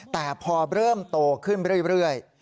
แต่พอเริ่มโตขึ้นเรื่อย